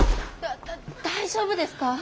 大丈夫ですか？